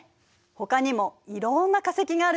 ほかにもいろんな化石があるのよ。